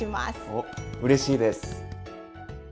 おっうれしいです！